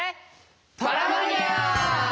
パラマニア！